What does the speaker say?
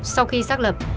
sau khi xác lập